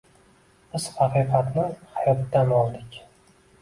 Biz haqiqatni hayotdan oldik.